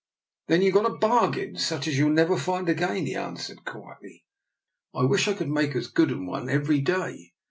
" Then you got a bargain such as you'll never find again," he answered quietly. " I wish I could make as good an one every day.